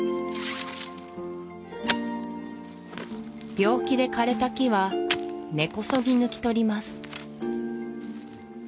病気で枯れた木は根こそぎ抜き取ります